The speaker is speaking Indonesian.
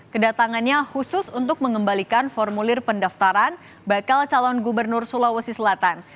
kedatangannya khusus untuk mengembalikan formulir pendaftaran bakal calon gubernur sulawesi selatan